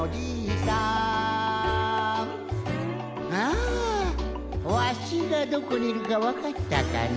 あわしがどこにいるかわかったかな？